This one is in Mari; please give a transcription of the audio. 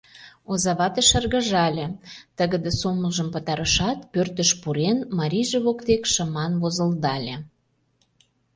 Озавате шыргыжале, тыгыде сомылжым пытарышат, пӧртыш пурен, марийже воктек шыман возылдале.